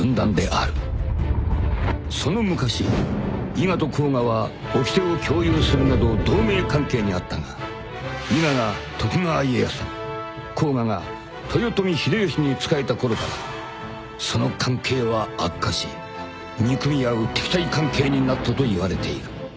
［その昔伊賀と甲賀はおきてを共有するなど同盟関係にあったが伊賀が徳川家康に甲賀が豊臣秀吉に仕えたころからその関係は悪化し憎み合う敵対関係になったといわれている］